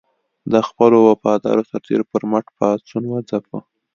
د خپلو وفادارو سرتېرو پر مټ پاڅون وځپه.